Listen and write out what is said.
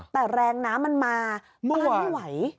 แต่แรงน้ำมันมามันไม่ไหว